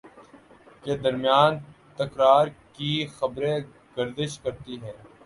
کے درمیان تکرار کی خبریں گردش کرتی ہیں